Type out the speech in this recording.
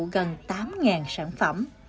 gần tám sản phẩm